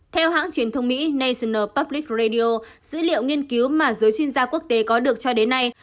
theo hãng truyền thông mỹ national public radio dữ liệu nghiên cứu mà giới chuyên gia quốc tế có được cho đến nay